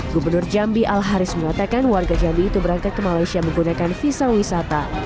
gubernur jambi al haris mengatakan warga jambi itu berangkat ke malaysia menggunakan visa wisata